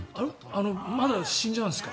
まだ死んじゃうんですか？